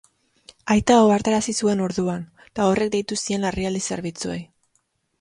Aita ohartarazi zuen orduan, eta horrek deitu zien larrialdi zerbitzuei.